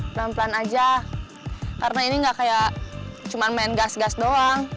pelan pelan aja karena ini nggak kayak cuma main gas gas doang